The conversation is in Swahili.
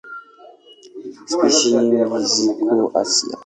Spishi nyingi ziko Asia.